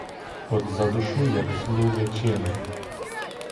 От задушу, як злу личину!